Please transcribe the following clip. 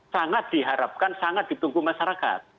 sangat diharapkan sangat ditunggu masyarakat